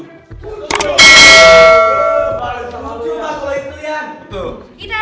kita emang harus ngerjain si botak itu